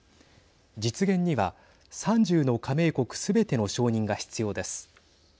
実現には３０の加盟国すべての承認が必要です。